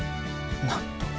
なんと。